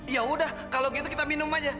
yaudah kalau gitu kita minum aja